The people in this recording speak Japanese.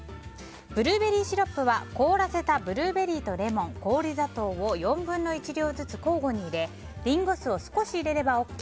ブルーベリーシロップは凍らせたブルーベリーとレモン氷砂糖を４分の１量ずつ交互に入れリンゴ酢を少し入れればＯＫ。